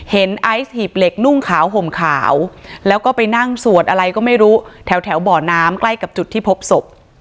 ไอซ์หีบเหล็กนุ่งขาวห่มขาวแล้วก็ไปนั่งสวดอะไรก็ไม่รู้แถวบ่อน้ำใกล้กับจุดที่พบศพ